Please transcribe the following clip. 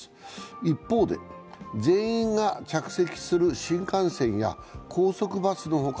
一方で全員が着席する新幹線や高速バスのほか